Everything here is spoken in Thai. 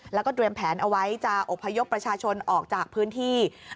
แล้วก็เตรียมแผนเอาไว้จะอบพยพประชาชนออกจากพื้นที่